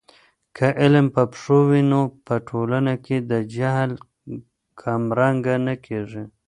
که علم په پښتو وي، نو په ټولنه کې د جهل کمرنګه کیږي.